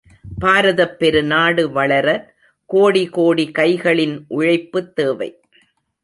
பாரதப் பெரு நாடு வளர, கோடி கோடி கைளின் உழைப்புத் தேவை.